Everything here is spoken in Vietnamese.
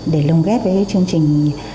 để lồng ghép với chương trình